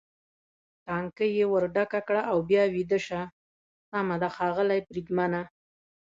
ټانکۍ یې ور ډکه کړه او بیا ویده شه، سمه ده ښاغلی بریدمنه.